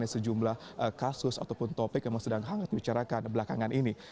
sejumlah kasus ataupun topik yang sedang hangat dibicarakan belakangan ini